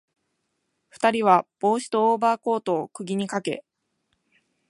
二人は帽子とオーバーコートを釘にかけ、